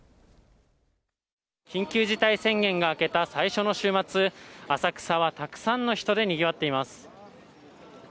緊急事態宣言が明けた最初の週末、浅草はたくさんの人でにぎわっています。